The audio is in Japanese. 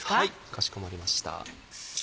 かしこまりました。